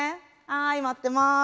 はい待ってます。